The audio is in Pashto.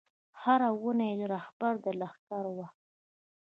هره ونه یې رهبره د لښکر وه